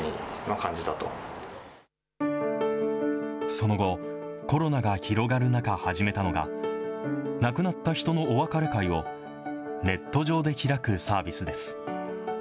その後、コロナが広がる中、始めたのが、亡くなった人のお別れ会を、ネット上で開くサービスです。